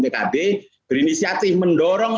pkb berinisiatif mendorong